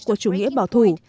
của chủ nghĩa bảo thủ